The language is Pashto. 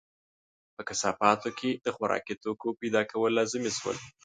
په کثافاتو کې د خوراکي توکو پیدا کول لازمي شول.